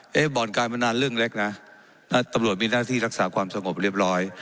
บ่อนการพนันเรื่องเล็กนะตำรวจมีหน้าที่รักษาความสงบเรียบร้อย